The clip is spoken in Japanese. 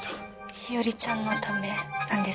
日和ちゃんのためなんですね。